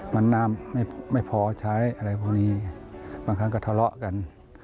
มันน้ำไม่พอใช้อะไรพวกนี้บางครั้งก็ทะเลาะกัน